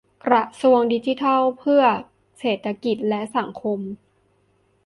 กระทรวงดิจิทัลเพื่อเศรษฐกิจและสังคม